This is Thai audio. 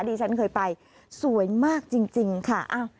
ดิฉันเคยไปสวยมากจริงค่ะ